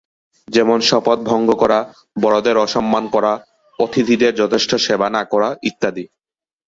যেমন, শপথ ভঙ্গ করা, বড়দের অসম্মান করা, অতিথিদের যথেষ্ট সেবা না করা, ইত্যাদি।